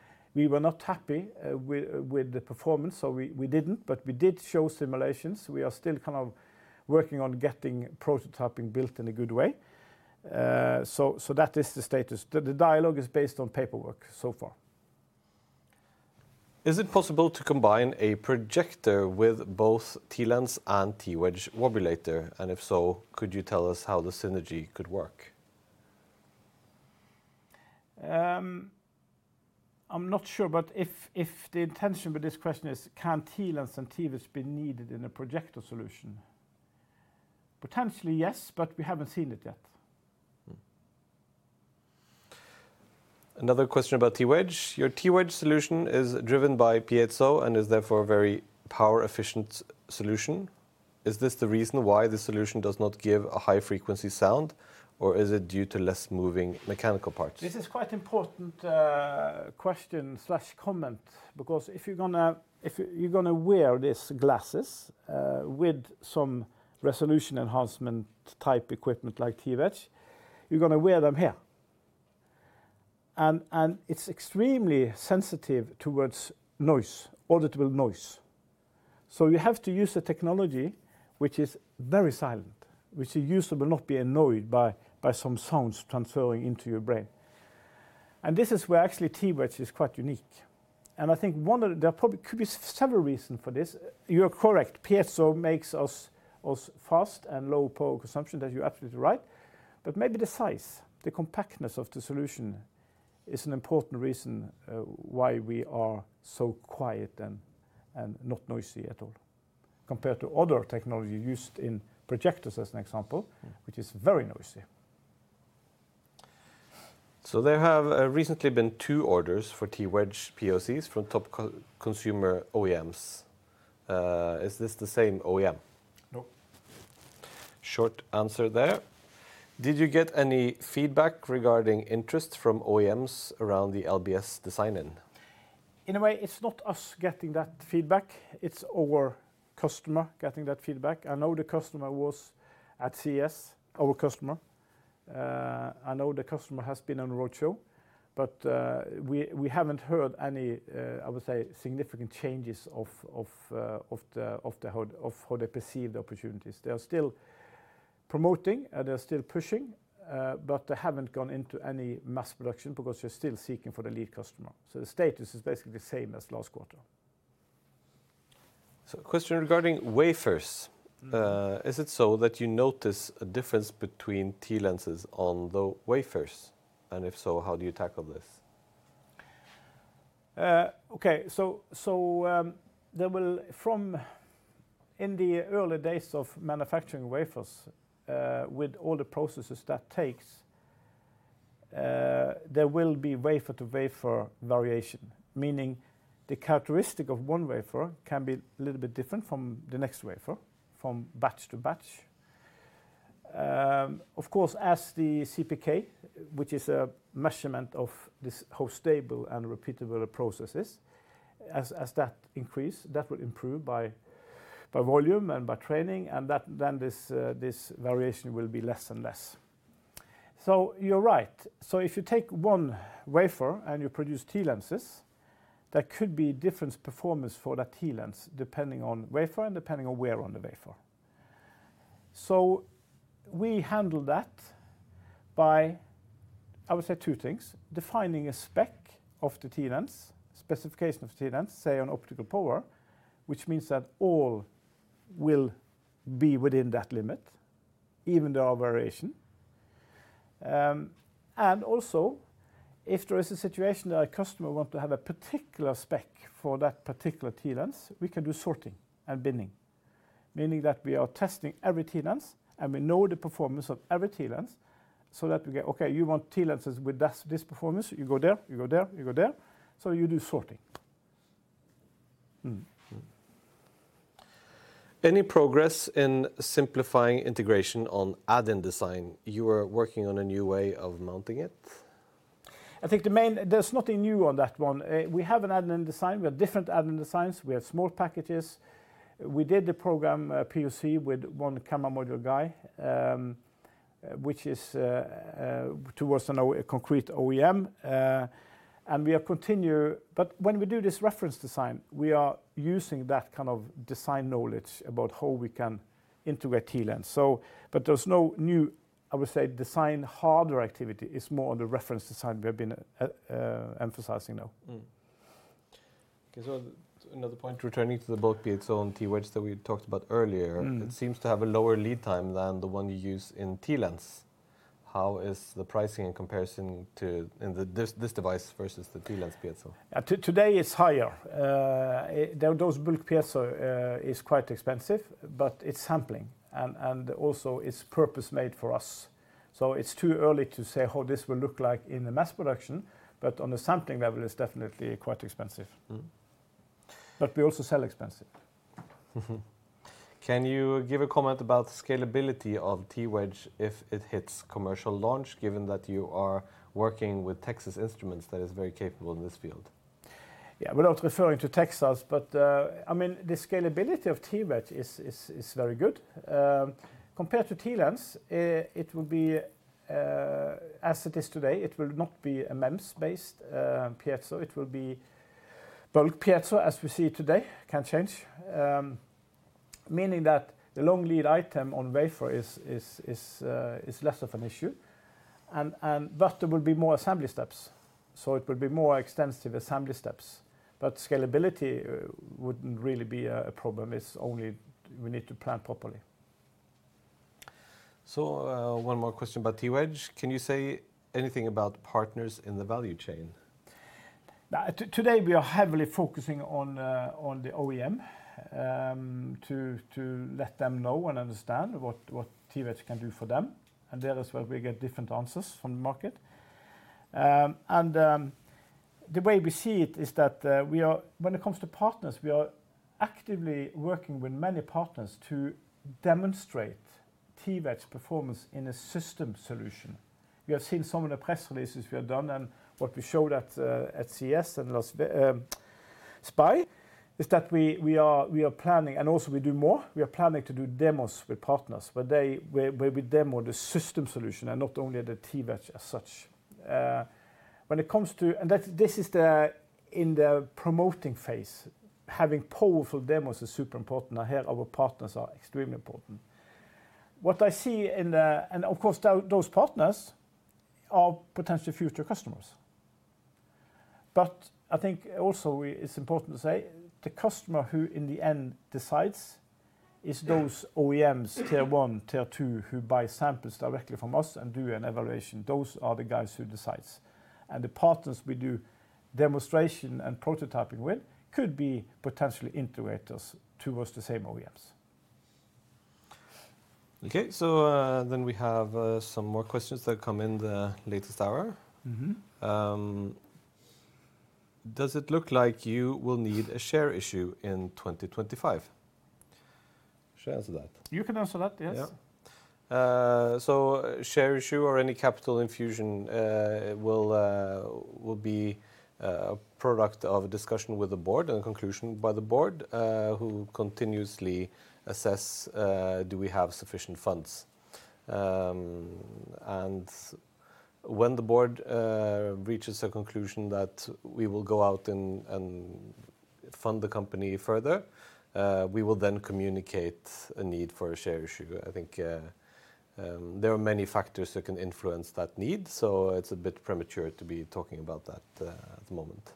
were not happy with the performance, so we didn't. We did show simulations. We are still kind of working on getting prototyping built in a good way. That is the status. The dialogue is based on paperwork so far. Is it possible to combine a projector with both T-Lens and T-Wedge vibrator? If so, could you tell us how the synergy could work? I'm not sure. If the intention with this question is, can T-Lens and T-Wedge be needed in a projector solution? Potentially, yes, but we haven't seen it yet. Another question about T-Wedge. Your T-Wedge solution is driven by piezo and is therefore a very power-efficient solution. Is this the reason why the solution does not give a high-frequency sound, or is it due to less moving mechanical parts? This is quite an important question/comment because if you're going to wear these glasses with some resolution enhancement type equipment like T-Wedge, you're going to wear them here. It is extremely sensitive towards noise, audible noise. You have to use a technology which is very silent, which you use so it will not be annoyed by some sounds transferring into your brain. This is where actually T-Wedge is quite unique. I think there could be several reasons for this. You're correct. Piezo makes us fast and low power consumption. You're absolutely right. Maybe the size, the compactness of the solution is an important reason why we are so quiet and not noisy at all compared to other technology used in projectors, as an example, which is very noisy. There have recently been two orders for T-Wedge POCs from top consumer OEMs. Is this the same OEM? No. Short answer there. Did you get any feedback regarding interest from OEMs around the LBS design in? In a way, it's not us getting that feedback. It's our customer getting that feedback. I know the customer was at CES, our customer. I know the customer has been on roadshow. We haven't heard any, I would say, significant changes of how they perceive the opportunities. They are still promoting. They are still pushing. They haven't gone into any mass production because they're still seeking for the lead customer. The status is basically the same as last quarter. Question regarding wafers. Is it so that you notice a difference between T-Lenses on the wafers? And if so, how do you tackle this? Okay. From in the early days of manufacturing wafers, with all the processes that takes, there will be wafer-to-wafer variation, meaning the characteristic of one wafer can be a little bit different from the next wafer, from batch to batch. Of course, as the CPK, which is a measurement of how stable and repeatable a process is, as that increases, that will improve by volume and by training. This variation will be less and less. You're right. If you take one wafer and you produce T-Lenses, there could be different performance for that T-Lens depending on wafer and depending on where on the wafer. We handle that by, I would say, two things: defining a spec of the T-Lens, specification of the T-Lens, say, on optical power, which means that all will be within that limit, even though there are variations. Also, if there is a situation that a customer wants to have a particular spec for that particular T-Lens, we can do sorting and binning, meaning that we are testing every T-Lens, and we know the performance of every T-Lens so that we go, "Okay, you want T-Lenses with this performance. You go there. You go there. You go there." You do sorting. Any progress in simplifying integration on add-in design? You are working on a new way of mounting it? I think the main there's nothing new on that one. We have an add-in design. We have different add-in designs. We have small packages. We did the program POC with one camera module guy, which is towards a concrete OEM. We have continued. When we do this reference design, we are using that kind of design knowledge about how we can integrate T-Lens. There's no new, I would say, design hardware activity. It's more on the reference design we have been emphasizing now. Okay. Another point, returning to the bulk piezo and T-Wedge that we talked about earlier, it seems to have a lower lead time than the one you use in T-Lens. How is the pricing in comparison to this device versus the T-Lens piezo? Today, it's higher. Those bulk piezo are quite expensive, but it's sampling. Also, it's purpose-made for us. It's too early to say how this will look like in the mass production. On the sampling level, it's definitely quite expensive. We also sell expensive. Can you give a comment about the scalability of T-Wedge if it hits commercial launch, given that you are working with Texas Instruments that is very capable in this field? Yeah. Without referring to Texas, I mean, the scalability of T-Wedge is very good. Compared to T-Lens, it will be, as it is today, it will not be a MEMS-based piezo. It will be bulk piezo, as we see it today. It can change, meaning that the long lead item on wafer is less of an issue. There will be more assembly steps. It will be more extensive assembly steps. Scalability would not really be a problem. We only need to plan properly. One more question about T-Wedge. Can you say anything about partners in the value chain? Today, we are heavily focusing on the OEM to let them know and understand what T-Wedge can do for them. That is where we get different answers from the market. The way we see it is that when it comes to partners, we are actively working with many partners to demonstrate T-Wedge performance in a system solution. You have seen some of the press releases we have done. What we showed at CES and SPIE is that we are planning, and also we do more. We are planning to do demos with partners where we demo the system solution and not only the T-Wedge as such. When it comes to, and this is in the promoting phase, having powerful demos is super important. Here, our partners are extremely important. What I see in the, and of course, those partners are potentially future customers. I think also it's important to say the customer who in the end decides is those OEMs, tier one, tier two, who buy samples directly from us and do an evaluation. Those are the guys who decide. The partners we do demonstration and prototyping with could be potentially integrators towards the same OEMs. Okay. We have some more questions that come in the latest hour. Does it look like you will need a share issue in 2025? Should I answer that? You can answer that. Yes. Share issue or any capital infusion will be a product of a discussion with the board and a conclusion by the board who continuously assess, do we have sufficient funds? When the board reaches a conclusion that we will go out and fund the company further, we will then communicate a need for a share issue. I think there are many factors that can influence that need. It's a bit premature to be talking about that at the moment.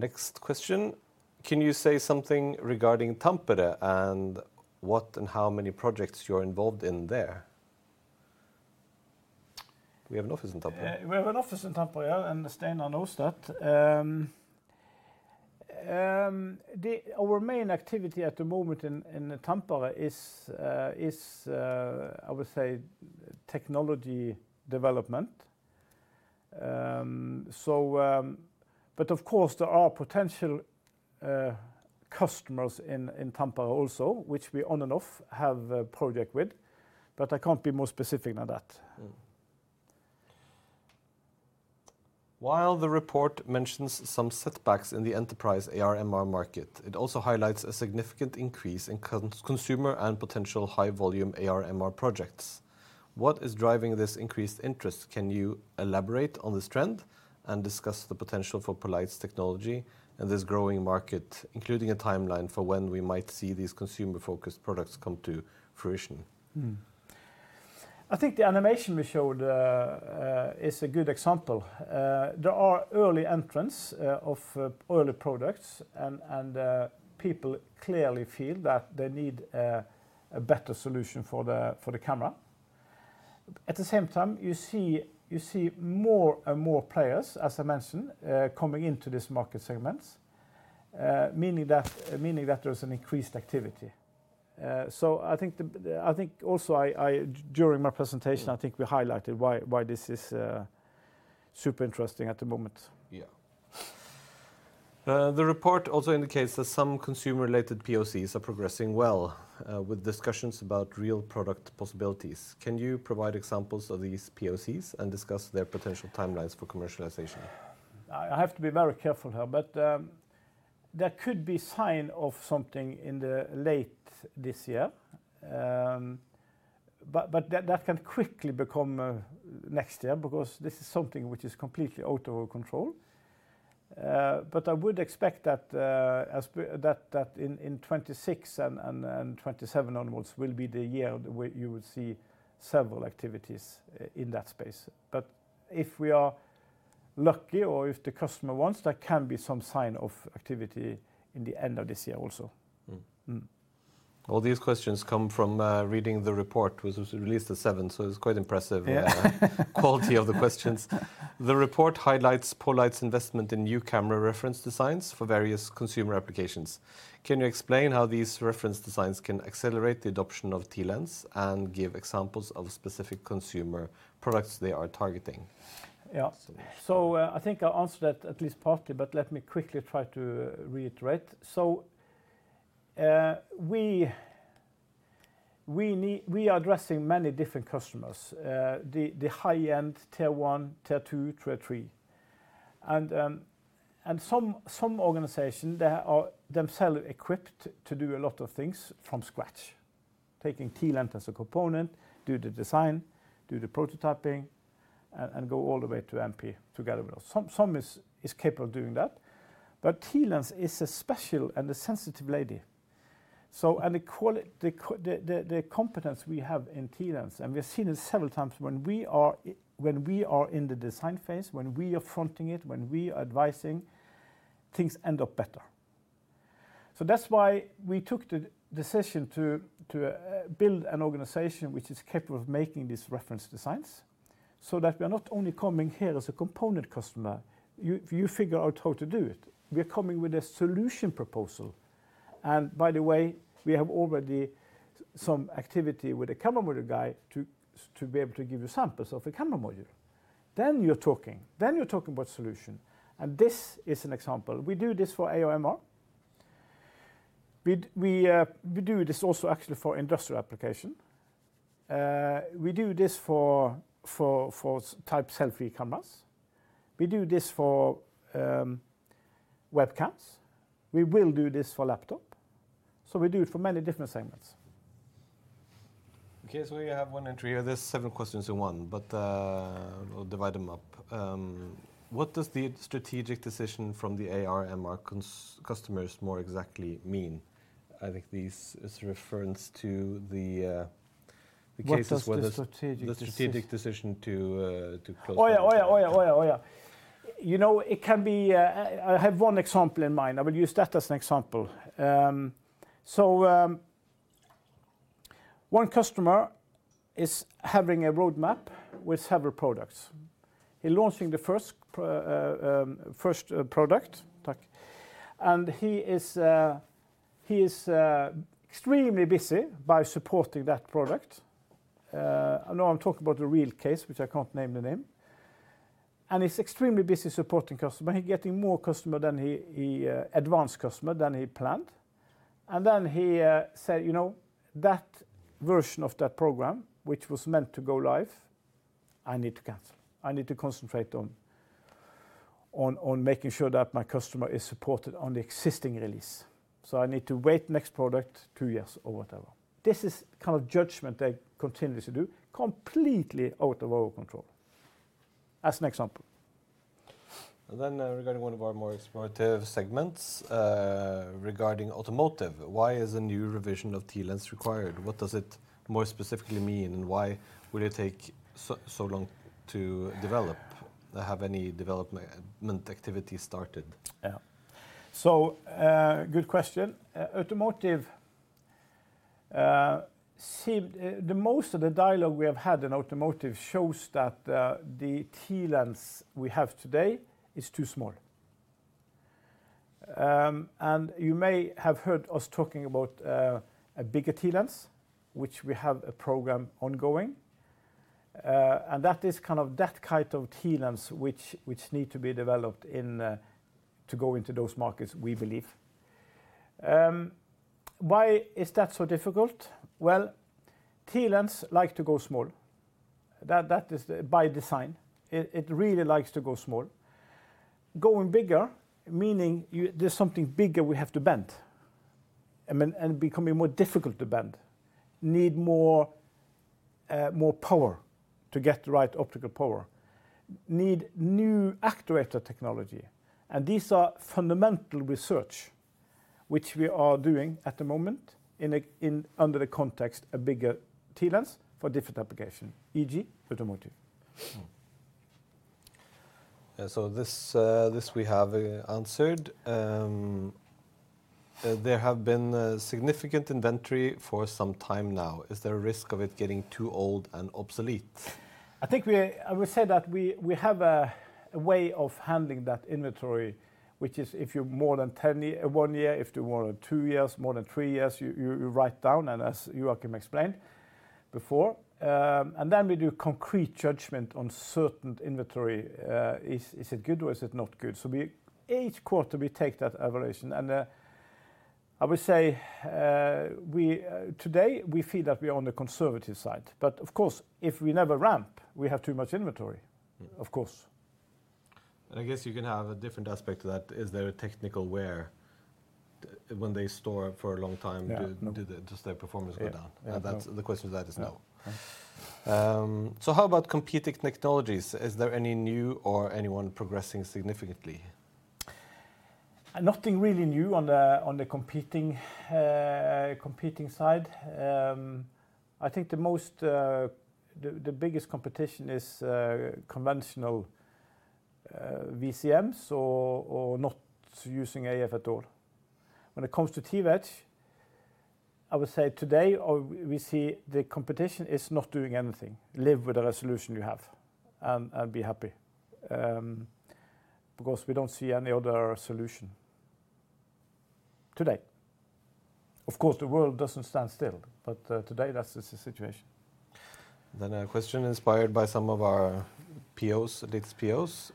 Next question. Can you say something regarding Tampere and what and how many projects you're involved in there? We have an office in Tampere. We have an office in Tampere, yeah, and Steinar knows that. Our main activity at the moment in Tampere is, I would say, technology development. Of course, there are potential customers in Tampere also, which we on and off have a project with. I can't be more specific than that. While the report mentions some setbacks in the enterprise AR/MR market, it also highlights a significant increase in consumer and potential high-volume AR/MR projects. What is driving this increased interest? Can you elaborate on this trend and discuss the potential for poLight's technology in this growing market, including a timeline for when we might see these consumer-focused products come to fruition? I think the animation we showed is a good example. There are early entrants of early products, and people clearly feel that they need a better solution for the camera. At the same time, you see more and more players, as I mentioned, coming into this market segment, meaning that there's an increased activity. I think also during my presentation, I think we highlighted why this is super interesting at the moment. Yeah. The report also indicates that some consumer-related POCs are progressing well with discussions about real product possibilities. Can you provide examples of these POCs and discuss their potential timelines for commercialization? I have to be very careful here. There could be sign of something in the late this year. That can quickly become next year because this is something which is completely out of our control. I would expect that in 2026 and 2027 onwards will be the year where you would see several activities in that space. If we are lucky or if the customer wants, there can be some sign of activity in the end of this year also. All these questions come from reading the report. It was released the 7th, so it's quite impressive, the quality of the questions. The report highlights poLight's investment in new camera reference designs for various consumer applications. Can you explain how these reference designs can accelerate the adoption of T-Lens and give examples of specific consumer products they are targeting? Yeah. I think I'll answer that at least partly, but let me quickly try to reiterate. We are addressing many different customers, the high-end, tier one, tier two, tier three. Some organizations, they are themselves equipped to do a lot of things from scratch, taking T-Lens as a component, do the design, do the prototyping, and go all the way to MP together with us. Some is capable of doing that. T-Lens is a special and a sensitive lady. The competence we have in T-Lens, and we have seen it several times when we are in the design phase, when we are fronting it, when we are advising, things end up better. That is why we took the decision to build an organization which is capable of making these reference designs so that we are not only coming here as a component customer. You figure out how to do it. We are coming with a solution proposal. By the way, we have already some activity with a camera module guy to be able to give you samples of a camera module. You are talking. You are talking about solution. This is an example. We do this for AR/MR. We do this also actually for industrial application. We do this for type selfie cameras. We do this for webcams. We will do this for laptop. We do it for many different segments. Okay. You have one entry here. There are seven questions in one, but we'll divide them up. What does the strategic decision from the AR/MR customers more exactly mean? I think this refers to the cases where the strategic decision to close the— Oh yeah, oh yeah, oh yeah, oh yeah, oh yeah. You know, it can be—I have one example in mind. I will use that as an example. One customer is having a roadmap with several products. He is launching the first product. He is extremely busy by supporting that product. I know I am talking about a real case, which I cannot name the name. He is extremely busy supporting customers. He is getting more customers than he advanced customers than he planned. He said, "You know, that version of that program, which was meant to go live, I need to cancel. I need to concentrate on making sure that my customer is supported on the existing release. I need to wait the next product two years or whatever." This is the kind of judgment they continue to do completely out of our control. That's an example. Regarding one of our more explorative segments, regarding automotive, why is a new revision of T-Lens required? What does it more specifically mean, and why would it take so long to develop? Have any development activity started? Yeah. Good question. Automotive, most of the dialogue we have had in automotive shows that the T-Lens we have today is too small. You may have heard us talking about a bigger T-Lens, which we have a program ongoing. That is kind of that kind of T-Lens which needs to be developed to go into those markets, we believe. Why is that so difficult? T-Lens likes to go small. That is by design. It really likes to go small. Going bigger, meaning there's something bigger we have to bend and becoming more difficult to bend. Need more power to get the right optical power. Need new actuator technology. These are fundamental research which we are doing at the moment under the context of a bigger T-Lens for different applications, e.g., automotive. This we have answered. There have been significant inventory for some time now. Is there a risk of it getting too old and obsolete? I think I would say that we have a way of handling that inventory, which is if you're more than one year, if you're more than two years, more than three years, you write down, as Joakim explained before. Then we do concrete judgment on certain inventory. Is it good or is it not good? Each quarter, we take that evaluation. I would say today, we feel that we are on the conservative side. Of course, if we never ramp, we have too much inventory, of course. I guess you can have a different aspect to that. Is there a technical wear when they store for a long time? Does their performance go down? The question to that is no. How about competing technologies? Is there any new or anyone progressing significantly? Nothing really new on the competing side. I think the biggest competition is conventional VCMs or not using AF at all. When it comes to T-Wedge, I would say today, we see the competition is not doing anything. Live with the resolution you have and be happy because we do not see any other solution today. Of course, the world does not stand still, but today, that is the situation. A question inspired by some of our POs, latest POs.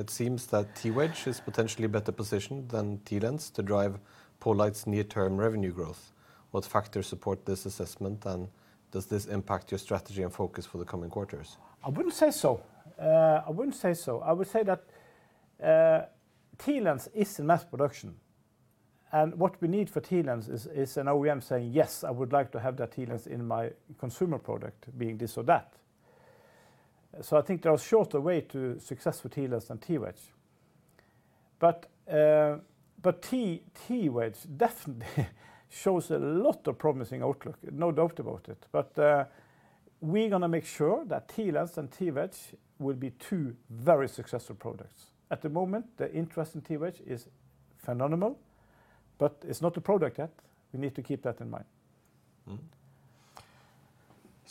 It seems that T-Wedge is potentially better positioned than T-Lens to drive poLight's near-term revenue growth. What factors support this assessment, and does this impact your strategy and focus for the coming quarters? I would not say so. I would not say so. I would say that T-Lens is in mass production. What we need for T-Lens is an OEM saying, "Yes, I would like to have that T-Lens in my consumer product," being this or that. I think there are shorter ways to successful T-Lens than T-Wedge. T-Wedge definitely shows a lot of promising outlook, no doubt about it. We are going to make sure that T-Lens and T-Wedge will be two very successful products. At the moment, the interest in T-Wedge is phenomenal, but it is not a product yet. We need to keep that in mind.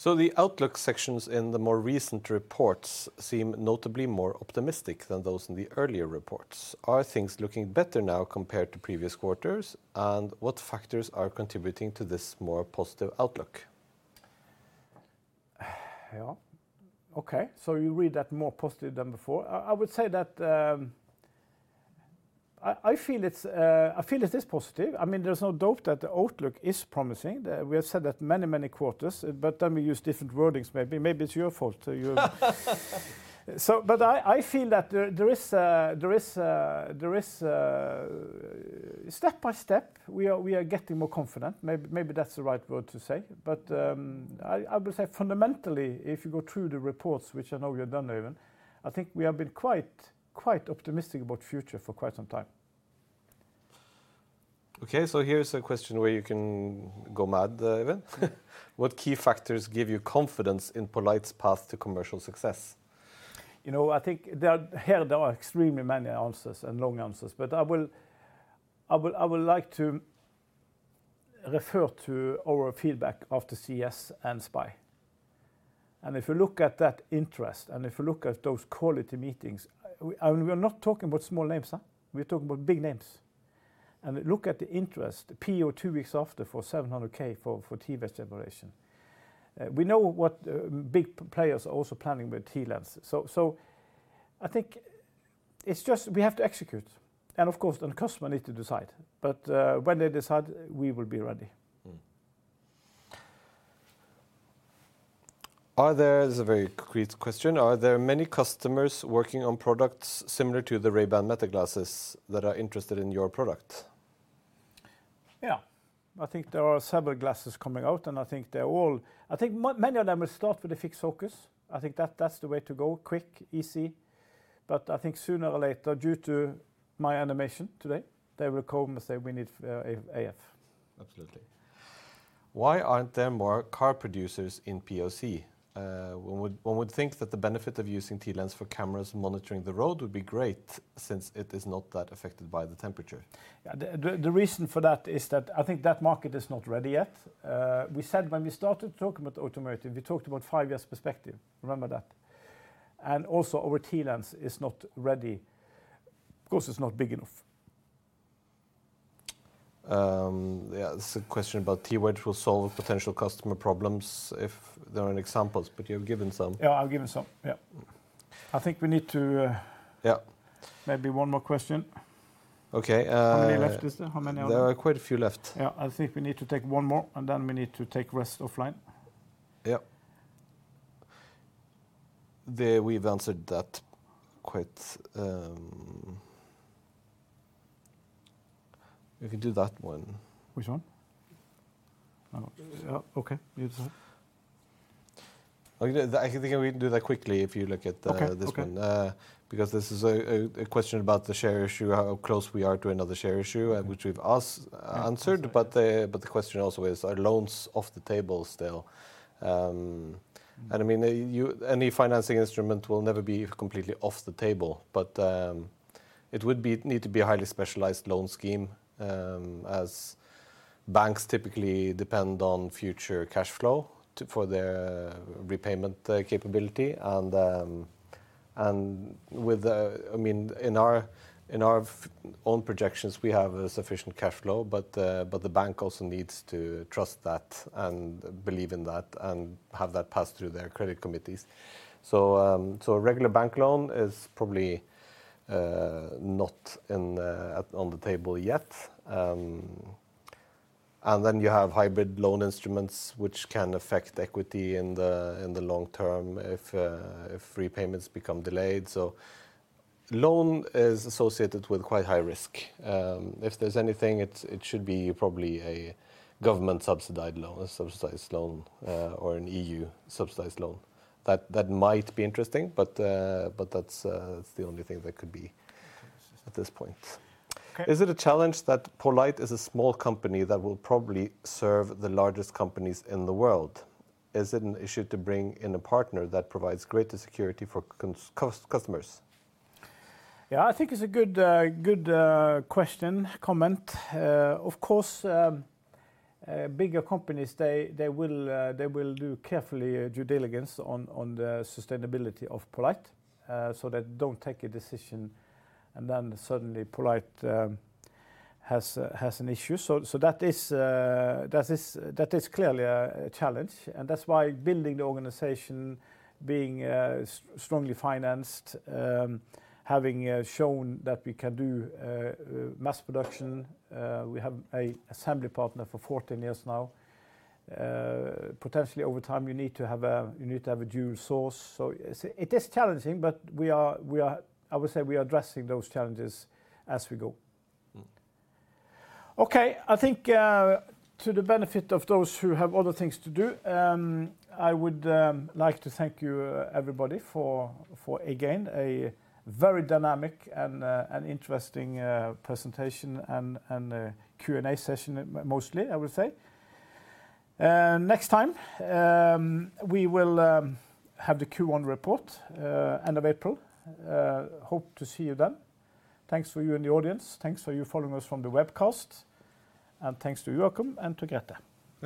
The outlook sections in the more recent reports seem notably more optimistic than those in the earlier reports. Are things looking better now compared to previous quarters? What factors are contributing to this more positive outlook? Yeah. Okay. You read that more positive than before. I would say that I feel it is positive. I mean, there is no doubt that the outlook is promising. We have said that many, many quarters, but then we use different wordings, maybe. Maybe it is your fault. I feel that there is step by step, we are getting more confident. Maybe that's the right word to say. I would say fundamentally, if you go through the reports, which I know you've done even, I think we have been quite optimistic about the future for quite some time. Okay. Here's a question where you can go mad, Øyvind. What key factors give you confidence in poLight's path to commercial success? You know, I think here there are extremely many answers and long answers. I would like to refer to our feedback after CES and SPIE. If you look at that interest and if you look at those quality meetings, we are not talking about small names, huh? We're talking about big names. Look at the interest, the PO two weeks after for 700,000 for T-Wedge generation. We know what big players are also planning with T-Lens. I think it's just we have to execute. Of course, the customer needs to decide. When they decide, we will be ready. This is a very concrete question. Are there many customers working on products similar to the Ray-Ban metaglasses that are interested in your product? Yeah. I think there are several glasses coming out, and I think they're all, I think many of them will start with a fixed focus. I think that's the way to go, quick, easy. I think sooner or later, due to my animation today, they will come and say, "We need AF." Absolutely. Why aren't there more car producers in POC? One would think that the benefit of using T-Lens for cameras monitoring the road would be great since it is not that affected by the temperature. The reason for that is that I think that market is not ready yet. We said when we started talking about automotive, we talked about five years perspective. Remember that. Also, our T-Lens is not ready. Of course, it's not big enough. Yeah. There's a question about T-Wedge will solve potential customer problems if there are examples, but you have given some. Yeah, I've given some. Yeah. I think we need to maybe one more question. Okay. How many left is there? How many are there? There are quite a few left. Yeah. I think we need to take one more, and then we need to take rest offline. Yeah. We've answered that quite. We can do that one. Which one? Yeah. Okay. You decide. I think we can do that quickly if you look at this one. Because this is a question about the share issue, how close we are to another share issue, which we've answered. The question also is, are loans off the table still? I mean, any financing instrument will never be completely off the table, but it would need to be a highly specialized loan scheme as banks typically depend on future cash flow for their repayment capability. I mean, in our own projections, we have a sufficient cash flow, but the bank also needs to trust that and believe in that and have that pass through their credit committees. A regular bank loan is probably not on the table yet. You have hybrid loan instruments, which can affect equity in the long term if repayments become delayed. Loan is associated with quite high risk. If there's anything, it should be probably a government-subsidized loan, a subsidized loan, or an EU-subsidized loan. That might be interesting, but that's the only thing that could be at this point. Is it a challenge that poLight is a small company that will probably serve the largest companies in the world? Is it an issue to bring in a partner that provides greater security for customers? Yeah, I think it's a good question, comment. Of course, bigger companies, they will do carefully due diligence on the sustainability of poLight so they don't take a decision and then suddenly poLight has an issue. That is clearly a challenge. That's why building the organization, being strongly financed, having shown that we can do mass production. We have an assembly partner for 14 years now. Potentially, over time, you need to have a dual source. It is challenging, but I would say we are addressing those challenges as we go. Okay. I think to the benefit of those who have other things to do, I would like to thank you, everybody, for, again, a very dynamic and interesting presentation and Q&A session, mostly, I would say. Next time, we will have the Q1 report, end of April. Hope to see you then. Thanks for you in the audience. Thanks for you following us from the webcast. And thanks to Joakim and to Grete.